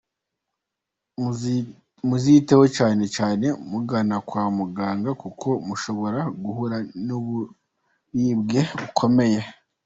Muziyiteho cyane cyane mugana kwa muganga kuko mushobora guhura n’uburibwe bukomeye.